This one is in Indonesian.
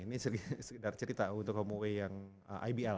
ini sekedar cerita untuk homeaway yang ibl